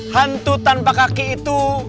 hantu tanpa kaki itu